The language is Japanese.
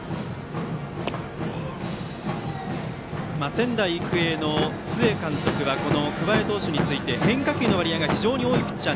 仙台育英の須江監督は桑江投手について変化球の割合が非常に多いピッチャー。